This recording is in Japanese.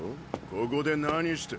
ここで何して。